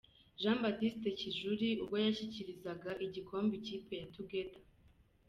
Jean Baptiste Kijuli ubwo yashyikirizaga igikombe ikipe ya Together F.